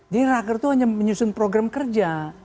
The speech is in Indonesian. di rakernas itu hanya menyusun program kerja